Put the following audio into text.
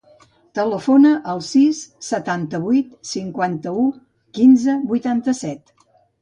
Telefona al sis, setanta-vuit, cinquanta-u, quinze, vuitanta-set.